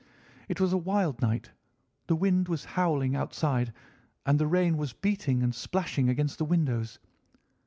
It was a wild night. The wind was howling outside, and the rain was beating and splashing against the windows.